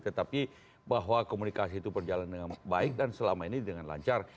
tetapi bahwa komunikasi itu berjalan dengan baik dan selama ini dengan lancar